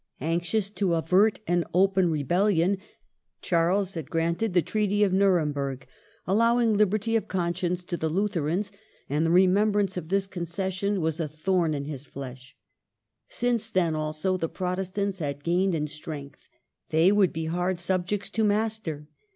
Anxious to DOWNFALL, 253 avert an open rebellion, Charles had granted the Treaty of Nuremberg, allowing liberty of conscience to the Lutherans ; and the remem brance of this concession was a thorn in his flesJi. Since then, also, the Protestants had gained in strength ; they would be hard sub jects to master.